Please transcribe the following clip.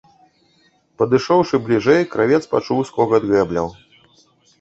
Падышоўшы бліжэй, кравец пачуў скогат гэбляў.